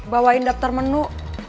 bawain daftar menu